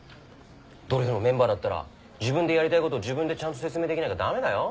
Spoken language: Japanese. ドリフのメンバーだったら自分でやりたいことを自分でちゃんと説明できなきゃ駄目だよ。